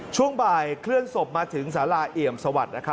ช่วงบ่ายเคลื่อนศพมาถึงสาราเอี่ยมสวัสดิ์